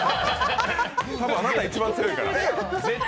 多分、あなた一番強いから。